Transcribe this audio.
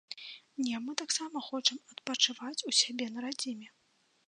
Не, мы таксама хочам адпачываць у сябе на радзіме.